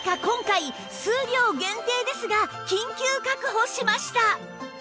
今回数量限定ですが緊急確保しました